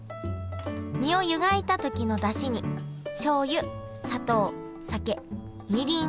身を湯がいた時のだしにしょうゆ砂糖酒みりんを投入。